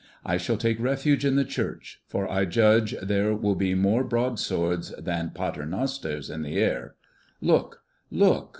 I shall take refuge in the church, for I judge there will be more broadswords than Pater nosters in the air. Look, look!